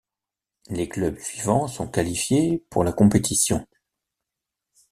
Les clubs suivants sont qualifiés pour la compétition.